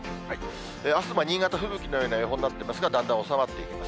あすは新潟、吹雪のような予報になってますが、だんだん収まっていきます。